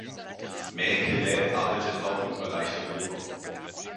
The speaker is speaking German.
Mäkelä arbeitet auch im Bereich der Oper.